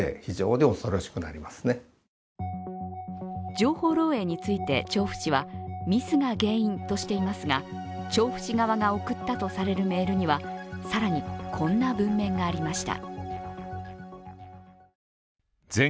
情報漏えいについて調布市はミスが原因としていますが調布市側が送ったとされるメールには更にこんな文面がありました。